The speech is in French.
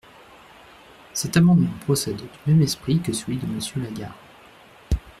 Cet amendement procède du même esprit que celui de Monsieur Lagarde.